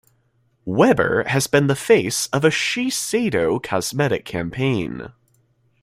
Weber has been the face of a Shiseido cosmetic campaign.